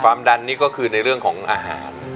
ดันนี่ก็คือในเรื่องของอาหาร